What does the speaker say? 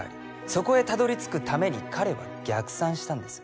そこへたどり着くために彼は逆算したんです